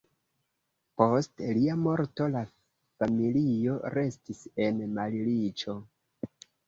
Post lia morto la familio restis en malriĉo.